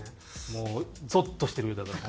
もうぞっとしてるよだから。